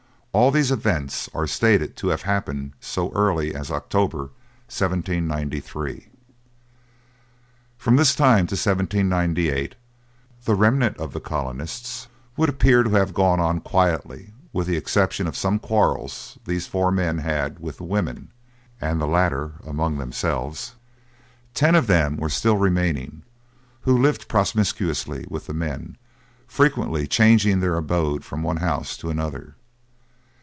All these events are stated to have happened so early as October, 1793. From this time to 1798, the remnant of the colonists would appear to have gone on quietly with the exception of some quarrels these four men had with the women, and the latter among themselves; ten of them were still remaining, who lived promiscuously with the men, frequently changing their abode from one house to another.